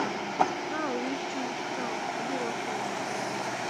Ka owiti to abiro kwanyi kenda.